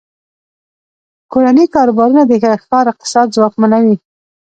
کورني کاروبارونه د ښار اقتصاد ځواکمنوي.